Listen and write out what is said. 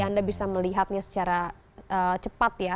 anda bisa melihatnya secara cepat ya